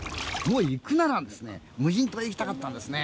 行くなら無人島へ行きたかったんですね。